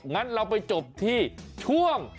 งั้นเราไปจบที่ช่วง